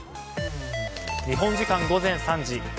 日本時間午前３時。